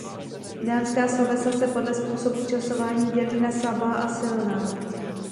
Dánská slovesa se podle způsobu časování dělí na slabá a silná.